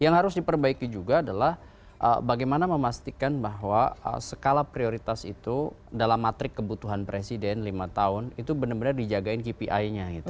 yang harus diperbaiki juga adalah bagaimana memastikan bahwa skala prioritas itu dalam matrik kebutuhan presiden lima tahun itu benar benar dijagain kpi nya gitu